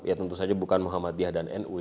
ya tentu saja bukan muhammadiyah dan nu